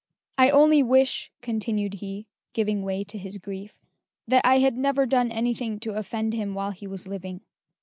I only wish," continued he, giving way to his grief, "that I had never done anything to offend him while he was living."